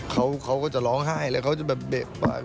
เขาก็จะร้องไห้แล้วเขาจะแบบเบะปาก